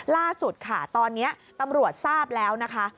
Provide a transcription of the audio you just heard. ล่าสุดค่ะตอนนี้ตำรวจทราบแล้วนะคะ